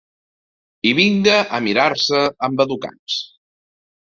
...i vinga a mirar-se embadocats